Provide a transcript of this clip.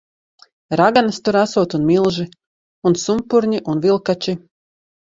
Raganas tur esot un milži. Un sumpurņi un vilkači.